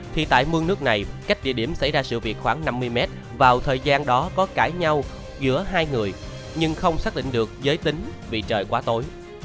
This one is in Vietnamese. thì tại mương nước này cách địa điểm xảy ra sự việc khoảng năm mươi mét vào thời gian đó có cãi nhau giữa hai người nhưng không xác định được giới tính vì trời quá tối